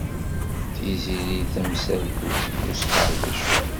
Tiziri ttamsaltut n usqerdec.